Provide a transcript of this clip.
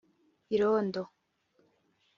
irondo